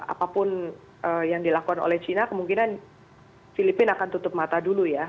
apapun yang dilakukan oleh china kemungkinan filipina akan tutup mata dulu ya